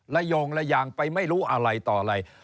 โยงระยางไปไม่รู้อะไรต่ออะไร